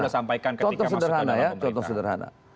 sampaikan ketika masuk ke dalam pemerintah contoh sederhana